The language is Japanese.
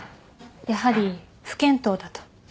やはり不見当だと。